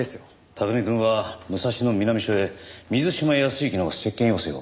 拓海くんは武蔵野南署へ水島泰之の接見要請を。